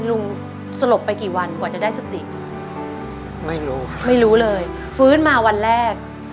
ลุงสลบไปกี่วันกว่าจะได้สติไม่รู้ค่ะไม่รู้เลยฟื้นมาวันแรก